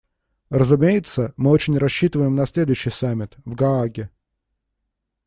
Разумеется, мы очень рассчитываем на следующий саммит − в Гааге.